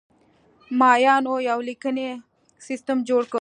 مایانو یو لیکنی سیستم جوړ کړ